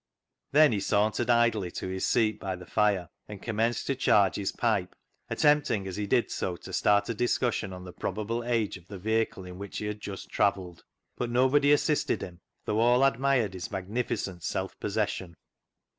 Then he sauntered idly to his seat by the fire, and commenced to charge his pipe, at tempting as he did so to start a discussion on the probable age of the vehicle in which he had just travelled. But nobody assisted him, though all admired his magnificent self possession.